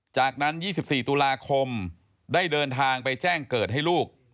จากนั้น๒๔ตุลาคมได้เดินทางไปแจ้งเกิดให้ลูก